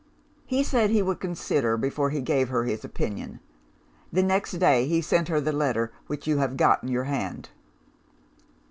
He said he would consider, before he gave her his opinion. The next day, he sent her the letter which you have got in your hand.